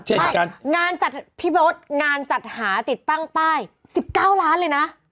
ใช่งานจัดพี่เบิร์ตงานจัดหาติดตั้งป้าย๑๙ล้านเลยนะ